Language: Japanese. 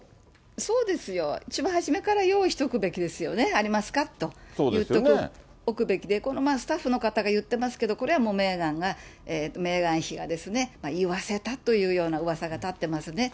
そうですよ、一番初めから用意しておくべきですよね、ありますか？と言っておくべきで、スタッフの方が言ってますけど、これはもう、メーガンが、メーガン妃が言わせたというようなうわさが立ってますね。